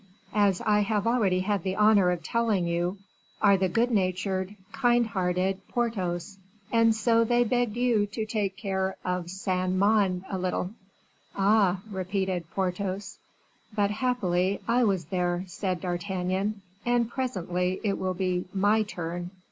as I have already had the honor of telling you, are the good natured, kind hearted Porthos; and so they begged you to take care of Saint Mande a little." "Ah!" repeated Porthos. "But, happily, I was there," said D'Artagnan, "and presently it will be my turn."